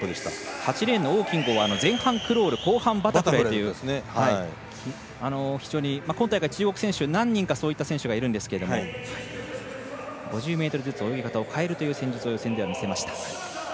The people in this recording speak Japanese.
８レーンの王金剛は前半クロール後半バタフライという非常に今大会、中国選手何人かそういう選手がいるんですけど５０ｍずつ泳ぎ方を変えるという戦術を予選で見せました。